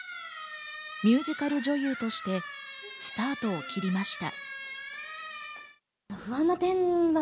ミュージカル女優としてスタートを切りました。